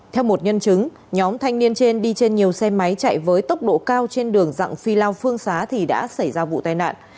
theo một nhân chứng nhóm thanh niên trên đi trên nhiều xe máy chạy với tốc độ cao trên đường dặng phi lao phương xá thì đã xảy ra vụ tai nạn